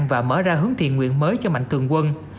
và mở ra hướng thiện nguyện mới cho mạnh thường quân